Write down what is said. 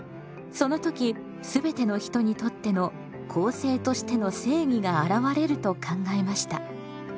その時全ての人にとっての「公正としての正義」があらわれると考えました。